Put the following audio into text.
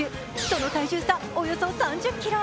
その体重差、およそ３０ｋｇ。